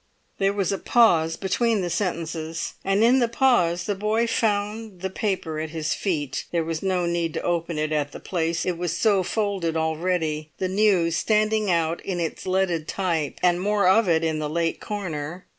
There was a pause between the sentences, and in the pause the boy found the paper at his feet. There was no need to open it at the place; it was so folded already, the news standing out in its leaded type, and more of it in the late corner.